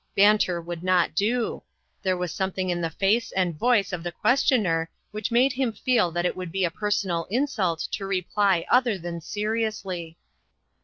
Banter would not do. There was something in the face and voice of the questioner which made him feel that it would be a personal insult to reply other than seriously.